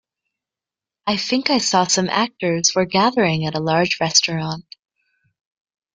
I think I saw some actors were gathering at a large restaurant.